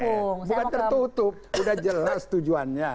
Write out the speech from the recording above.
oh bukan tertutup udah jelas tujuannya